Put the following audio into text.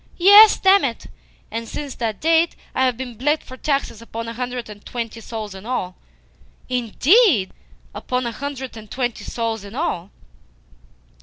"Yes, damn it! And since that date I have been bled for taxes upon a hundred and twenty souls in all." "Indeed? Upon a hundred and twenty souls in all!"